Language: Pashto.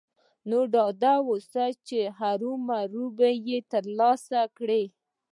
نو ډاډه اوسئ چې هرو مرو به يې ترلاسه کړئ.